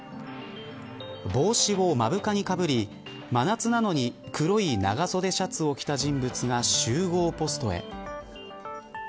帽子を目深にかぶり真夏なのに黒い長袖シャツを着た人物が集合ポストへ。